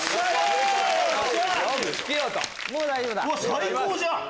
最高じゃん！